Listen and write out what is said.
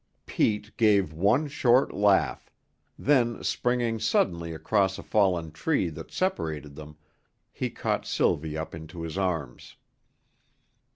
Pete gave one short laugh; then, springing suddenly across a fallen tree that separated them, he caught Sylvie up into his arms.